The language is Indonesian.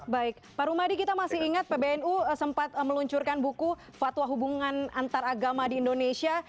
baik pak rumadi kita masih ingat pbnu sempat meluncurkan buku fatwa hubungan antar agama di indonesia